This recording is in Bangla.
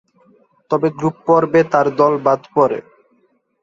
তবে গ্রুপ পর্বে তার দল বাদ পড়ে।